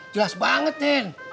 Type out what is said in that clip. jelas banget cen